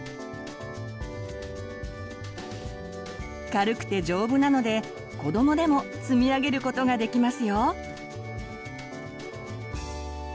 軽くて丈夫なので子どもでも積み上げることができますよ。